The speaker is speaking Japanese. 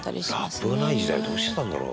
ラップがない時代どうしてたんだろう？